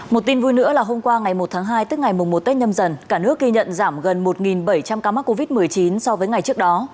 một tin vui nữa là hôm qua ngày một tháng hai tức ngày một tết nhâm dần cả nước ghi nhận giảm gần một bảy trăm linh ca mắc covid một mươi chín so với ngày trước đó